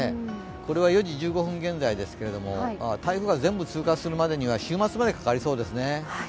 これは４時１５分現在ですけど台風が全部通過するのは週末ぐらいまでかかりそうですね。